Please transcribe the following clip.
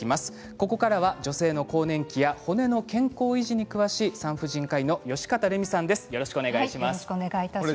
ここからは女性の更年期や骨の健康維持に詳しい産婦人科医の吉形玲美さんです。